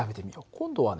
今度はね